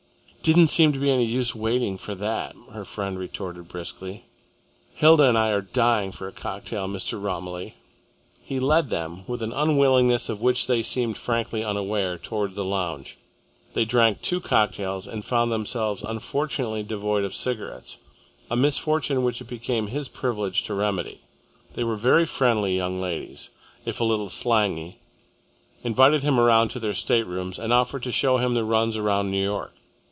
"Didn't seem to be any use waiting for that," her friend retorted briskly. "Hilda and I are dying for a cocktail, Mr. Romilly." He led them with an unwillingness of which they seemed frankly unaware, towards the lounge. They drank two cocktails and found themselves unfortunately devoid of cigarettes, a misfortune which it became his privilege to remedy. They were very friendly young ladies, if a little slangy, invited him around to their staterooms, and offered to show him the runs around New York.